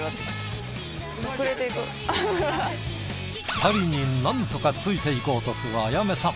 ２人になんとかついていこうとする彩芽さん。